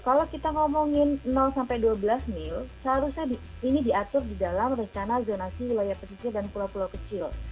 kalau kita ngomongin sampai dua belas mil seharusnya ini diatur di dalam rencana zonasi wilayah pesisir dan pulau pulau kecil